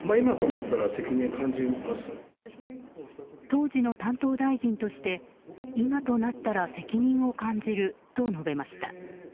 当時の担当大臣として今となったら責任を感じると述べました。